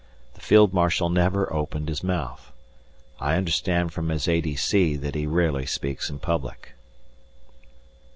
The Field Marshal never opened his mouth. I understand from his A.D.C. that he rarely speaks in public.